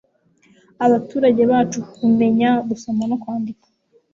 abaturage bacu kumenya gusoma no kwandika